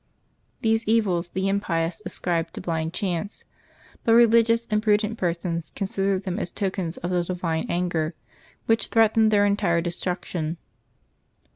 These evils the impious ascribed to blind chance; but re ligious and prudent persons considered them as tokens of the divine anger, which threatened their entire destruction.